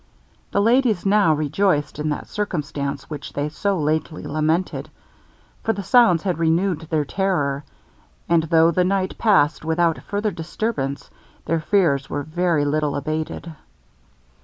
The ladies now rejoiced in that circumstance which they so lately lamented; for the sounds had renewed their terror, and though the night passed without further disturbance, their fears were very little abated.